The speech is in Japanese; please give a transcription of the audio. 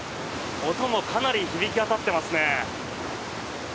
音もかなり響き渡っていますね。